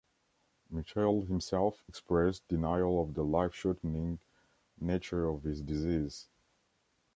Michel himself expressed denial of the life-shortening nature of his disease.